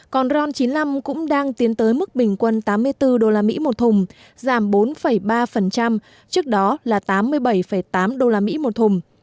còn ron chín mươi năm cũng đang tiến tới mức bình quân tám mươi bốn usd một thùng giảm bốn ba trước đó là tám mươi bảy tám usd một thùng